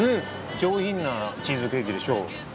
上品なチーズケーキでしょう。